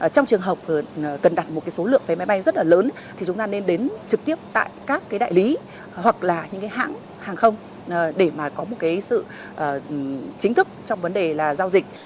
trong trường hợp cần đặt một cái số lượng vé máy bay rất là lớn thì chúng ta nên đến trực tiếp tại các cái đại lý hoặc là những cái hãng hàng không để mà có một cái sự chính thức trong vấn đề là giao dịch